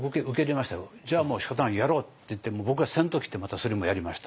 じゃあもうしかたないやろうって言って僕は先頭切ってまたそれもやりました。